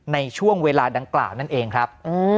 ในช่วงเวลาดังกล่าวนั่นเองครับ